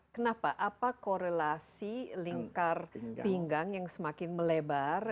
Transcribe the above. kenapa apa korelasi lingkar pinggang yang semakin melebar